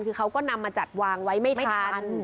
คือเขาก็นำมาจัดวางไว้ไม่ทัน